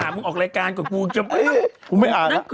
ส่วนบับะ